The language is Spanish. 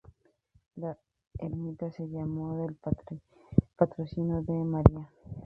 La ermita se llamó del Patrocinio de María.